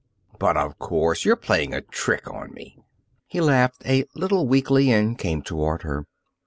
But of course you're playing a trick on me." He laughed a little weakly and came toward her.